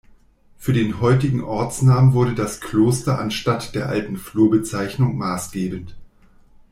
Für den heutigen Ortsnamen wurde das Kloster anstatt der alten Flurbezeichnung maßgebend.